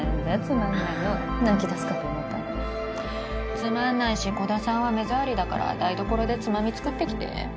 つまんないし鼓田さんは目障りだから台所でつまみ作ってきて。